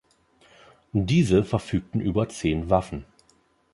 Diese verfügten über zehn Waffen.